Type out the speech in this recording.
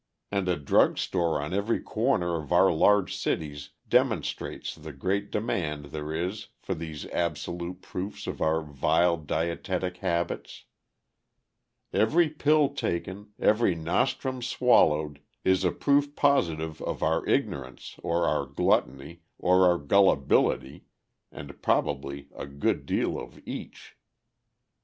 And a drug store on every corner of our large cities demonstrates the great demand there is for these absolute proofs of our vile dietetic habits. Every pill taken, every nostrum swallowed, is a proof positive of our ignorance, or our gluttony, or our gullibility, and probably a good deal of each.